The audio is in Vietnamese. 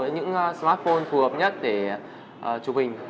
những smartphone phù hợp nhất để chụp hình